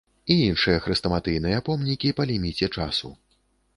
І іншыя хрэстаматыйныя помнікі па ліміце часу.